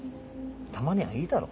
たまにはいいだろ